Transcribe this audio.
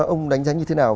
ông đánh giá như thế nào